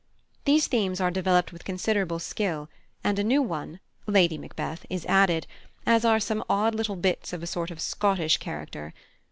These themes are developed with considerable skill, and a new one (Lady Macbeth) is added, as are some odd little bits of a sort of Scottish character.